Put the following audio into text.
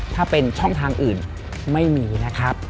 ถ้าเป็นช่องทางอื่นไม่มีนะครับ